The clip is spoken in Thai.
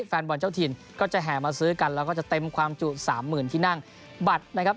แฟนบอลเจ้าถิ่นก็จะแห่มาซื้อกันแล้วก็จะเต็มความจุสามหมื่นที่นั่งบัตรนะครับ